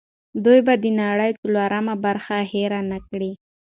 دوی به د نړۍ څلورمه برخه هېر نه کړي.